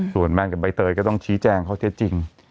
ส่วนแม่นกับใบเตยก็ต้องชี้แจงข้อเท็จจริง